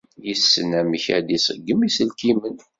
Yessen amek ad iṣeggem iselkimen.